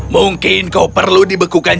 mungkin kau perlu dibekukan